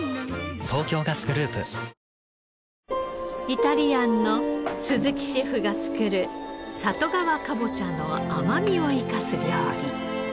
イタリアンの鈴木シェフが作る里川かぼちゃの甘みを生かす料理。